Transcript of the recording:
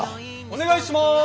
お願いします！